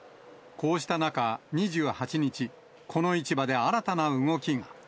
こうした中、２８日、この市場で新たな動きが。